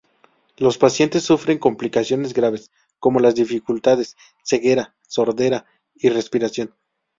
Los pacientes sufren complicaciones graves, como las dificultades ceguera, sordera y respiración.